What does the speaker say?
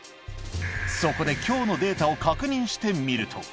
そこできょうのデータを確認してみると。